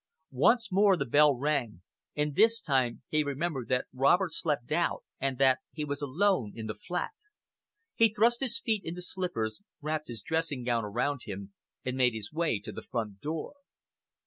Once more the bell rang, and this time he remembered that Robert slept out, and that he was alone in the flat. He thrust his feet into slippers, wrapped his dressing gown around him, and made his way to the front door.